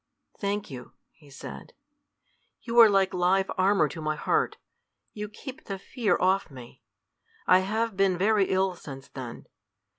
"Thank you," he said. "You are like live armor to my heart; you keep the fear off me. I have been very ill since then.